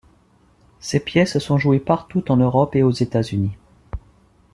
Ses pièces sont jouées partout en Europe et aux États-Unis.